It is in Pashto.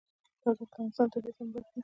تودوخه د افغانستان د طبیعي زیرمو برخه ده.